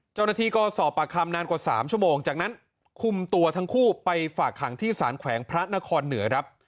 เจ้าหน้าที่ก็สอบปากคำนานกว่า๓ชั่วโมงจากนั้นคุมตัวทั้งคู่ไปฝากขังที่สารแขวงพระนครเหนือครับ